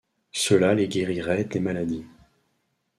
Cela les guérirait des maladies.